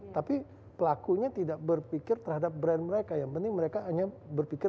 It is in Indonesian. tapi pelakunya tidak berpikir terhadap brand mereka yang penting mereka hanya berpikir